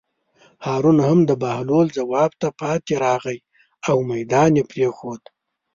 هارون هم د بهلول ځواب ته پاتې راغی او مېدان یې پرېښود.